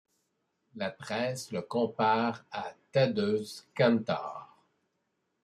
La presse le compare à Tadeusz Kantor.